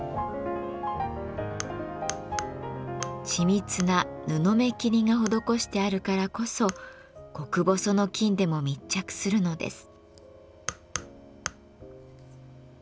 緻密な布目切りが施してあるからこそ極細の金でも密着するのです。